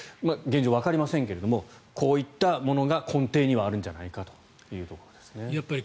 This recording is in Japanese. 現状わかりませんがこういったものが根底にはあるんじゃないかということです。